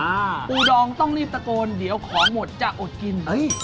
อ่าปูดองต้องร่วมประโยชน์เดี๋ยวของหมดจะอดกิน